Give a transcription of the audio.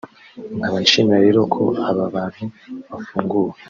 nkaba nshimira rero ko aba bantu bafunguwe